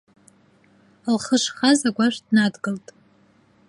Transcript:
Лхы шхаз агәашә днадгылт.